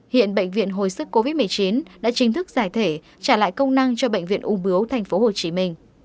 hiện bệnh viện hồi sức covid một mươi chín đã chính thức giải thể trả lại công năng cho bệnh viện ung bướu tp hcm